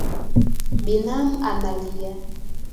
Binamu analia